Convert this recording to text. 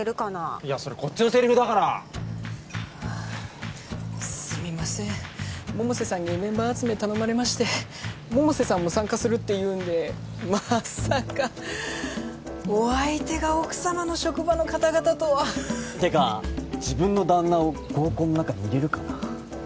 いやそれこっちのセリフだからすみません百瀬さんにメンバー集め頼まれまして百瀬さんも参加するっていうんでまさかお相手が奥様の職場の方々とはてか自分の旦那を合コンの中に入れるかな？